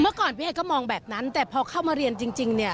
เมื่อก่อนพี่เอก็มองแบบนั้นแต่พอเข้ามาเรียนจริงเนี่ย